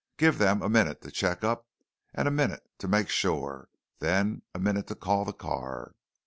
Give them a minute to check up, and a minute to make sure, then a minute to call the car.